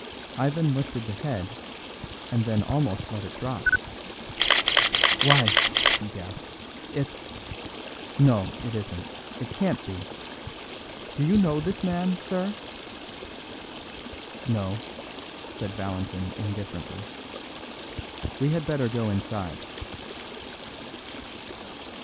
Ivan lifted the head, and then almost let it drop. "Why," he gasped, "it's no, it isn't; it can't be. Do you know this man, sir?" "No," said Valentin indifferently; "we had better go inside."